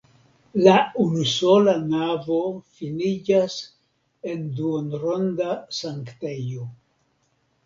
La unusola navo finiĝas en duonronda sanktejo.